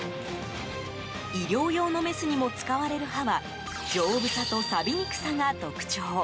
医療用のメスにも使われる刃は丈夫さと、さびにくさが特徴。